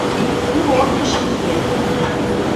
«КУРОРТЫШ» МИЕН